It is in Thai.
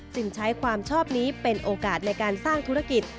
ใช้ความชอบนี้เป็นโอกาสในการสร้างธุรกิจ